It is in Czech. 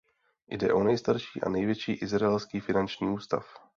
Jde o nejstarší a největší izraelský finanční ústav.